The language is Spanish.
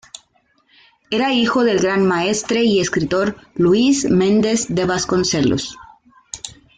Era hijo del gran maestre y escritor Luís Mendes de Vasconcelos.